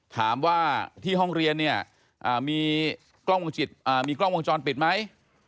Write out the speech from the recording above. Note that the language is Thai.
ถามว่าที่ห้องเรียนเนี่ยมีกล้องวงจรปิดไหม